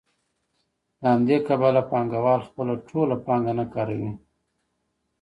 له همدې کبله پانګوال خپله ټوله پانګه نه کاروي